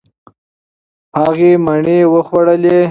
هغې مڼې وخوړلې.